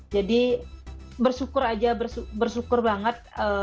jadi bersyukur saja bersyukur banget